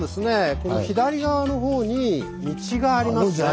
この左側の方に道がありますね。